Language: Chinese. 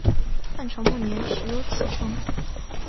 汉朝末年始有此称。